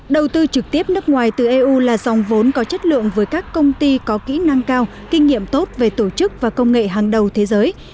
đầu tư trực tiếp nước ngoài từ eu là dòng vốn có chất lượng với các công ty có kỹ năng cao kinh nghiệm tốt về tổ chức và công nghệ hàng đầu thế giới